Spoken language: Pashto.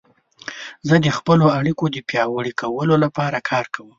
زه د خپلو اړیکو د پیاوړي کولو لپاره کار کوم.